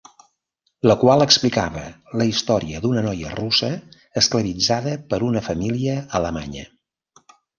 La qual explicava la història d’una noia russa esclavitzada per una família alemanya.